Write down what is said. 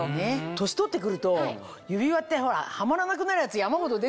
年取ってくると指輪ってほらはまらなくなるやつ山ほど。